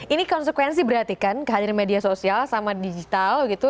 ini konsekuensi berarti kan kehadiran media sosial sama digital gitu